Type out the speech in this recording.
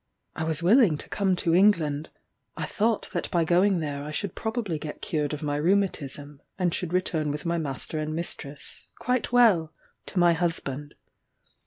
I was willing to come to England: I thought that by going there I should probably get cured of my rheumatism, and should return with my master and mistress, quite well, to my husband.